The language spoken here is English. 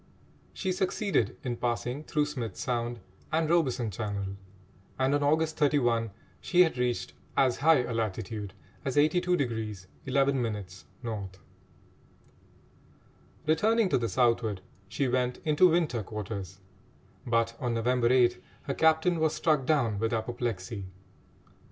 She succeeded in passing through Smith's Sound and Robeson Channel, and on August 31 she had reached as high a latitude as 82° 11' N. Returning to the southward, she went into winter quarters; but on November 8 her captain was struck down with apoplexy.